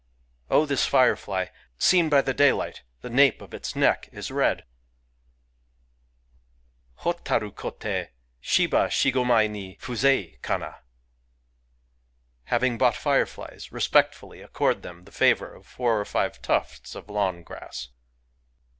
Oh, this firefly !— seen by daylight, the nape of its neck is red ! Hotaru kote, Shiba shi go mai ni Fuzei kana ! Having bought fireflies, respectfully accord them the favour of four or five tufts of lawn grass